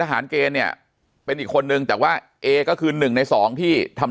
หารเกณฑ์เนี่ยเป็นอีกคนนึงแต่ว่าเอก็คือหนึ่งในสองที่ทำ